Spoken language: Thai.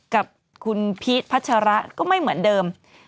กับคุณพีชพัชระก็ไม่เหมือนเดิม